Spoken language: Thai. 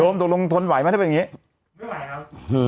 โดมตกลงทนไหวไหมถ้าเป็นแบบนี้